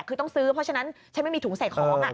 คือต้องซื้อเพราะฉะนั้นฉันไม่มีถุงใส่ของ